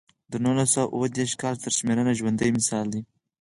د نولس سوه اووه دېرش کال سرشمېرنه ژوندی مثال دی.